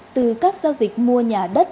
từ các giao dịch mua nhà đất